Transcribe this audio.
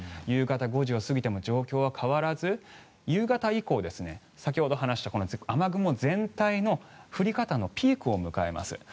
夕方５時を過ぎても状況は変わらず夕方以降、先ほど話した雨雲全体の降り方のピークを迎えます。